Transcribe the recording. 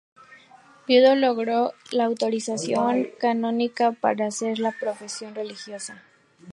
Viudo, logró la autorización canónica para hacer profesión religiosa.